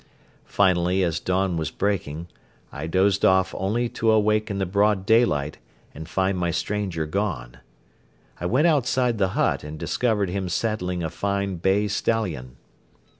Finally as dawn was breaking, I dozed off only to awake in the broad daylight and find my stranger gone. I went outside the hut and discovered him saddling a fine bay stallion.